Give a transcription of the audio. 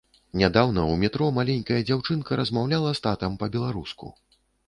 Нядаўна ў метро маленькая дзяўчынка размаўляла з татам па-беларуску.